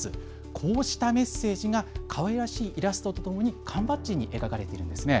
こうしたメッセージがかわいらしいイラストとともに缶バッジに描かれています。